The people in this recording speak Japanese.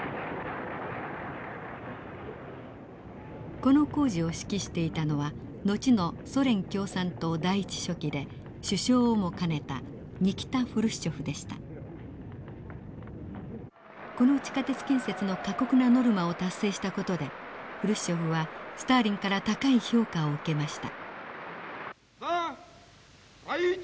この工事を指揮していたのは後のソ連共産党第１書記で首相をも兼ねたこの地下鉄建設の過酷なノルマを達成した事でフルシチョフはスターリンから高い評価を受けました。